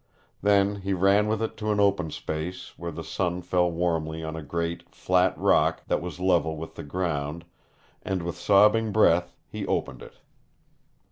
Then he ran with it to an open space, where the sun fell warmly on a great, flat rock that was level with the ground, and with sobbing breath he opened it.